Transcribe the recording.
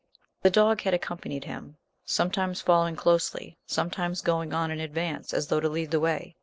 The dog had accompanied him, sometimes following closely, sometimes going on in advance as though to lead the way.